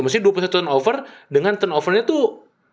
mesti dua puluh satu turnover dengan turnovernya tuh